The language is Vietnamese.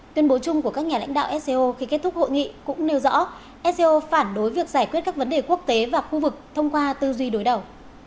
tuyên bố chung của các nhà lãnh đạo sco khi kết thúc hội nghị cũng nêu rõ sco phản đối việc giải quyết các vấn đề quốc tế và khu vực thông qua tư duy đối đầu